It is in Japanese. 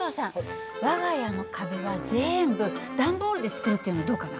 我が家の壁は全部段ボールで作るっていうのはどうかな？